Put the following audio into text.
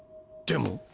でも？